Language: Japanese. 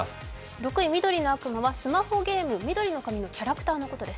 ６位の緑の悪魔はスマホゲーム、「緑の神」のキャラクターの事です。